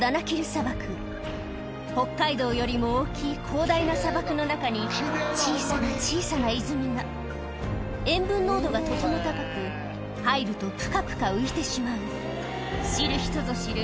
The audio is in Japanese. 北海道よりも大きい広大な砂漠の中に小さな小さな泉が塩分濃度がとても高く入るとぷかぷか浮いてしまう知る人ぞ知る